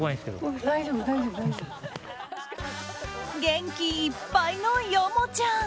元気いっぱいのヨモちゃん。